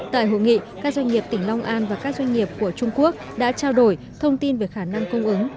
tại hội nghị các doanh nghiệp tỉnh long an và các doanh nghiệp của trung quốc đã trao đổi thông tin về khả năng cung ứng